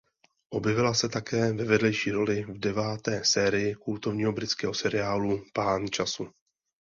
Objevila se také ve vedlejší roli v deváté sérii kultovního britského seriálu "Pán času".